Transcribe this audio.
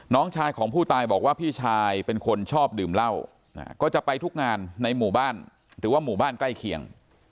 น้องชายของผู้ตายบอกว่าพี่ชายเป็นคนชอบดื่มเหล้าก็จะไปทุกงานในหมู่บ้านหรือว่าหมู่บ้านใกล้เคียง